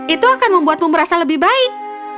itu akan membuatmu merasa lebih baik